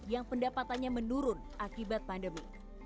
yang pendapatannya menurun akibat pandemi